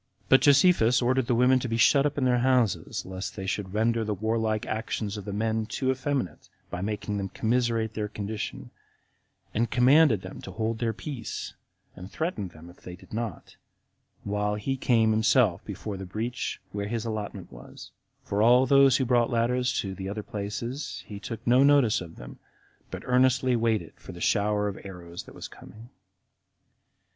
But Josephus ordered the women to be shut up in their houses, lest they should render the warlike actions of the men too effeminate, by making them commiserate their condition, and commanded them to hold their peace, and threatened them if they did not, while he came himself before the breach, where his allotment was; for all those who brought ladders to the other places, he took no notice of them, but earnestly waited for the shower of arrows that was coming.